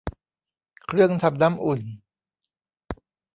เครื่องทำน้ำอุ่น